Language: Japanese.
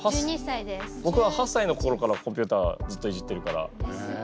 ぼくは８歳の頃からコンピューターずっといじってるから。